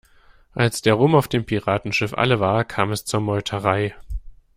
Als der Rum auf dem Piratenschiff alle war, kam es zur Meuterei.